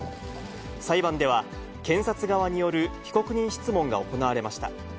裁判では、検察側による被告人質問が行われました。